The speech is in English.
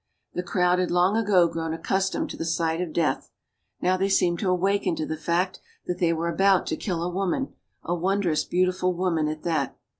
The crowd had long ago grown accustomed to the sight of death. Now they seemed to awaken to the fact that they were about to kill a woman, a wondrous beautiful woman, at that.